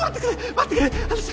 待ってくれ話す！